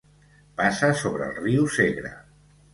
Passa sobre el riu Segre.